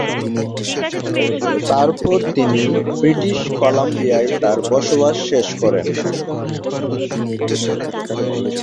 তারপর তিনি British Columbia তার বসবাস শেষ করেন।